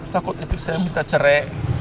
takut istri saya minta cerai